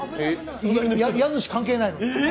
家主関係ないのに。